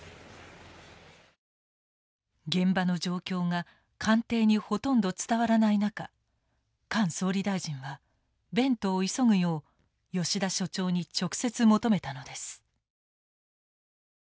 現場の状況が官邸にほとんど伝わらない中菅総理大臣はベントを急ぐよう吉田所長に直接求めたのです。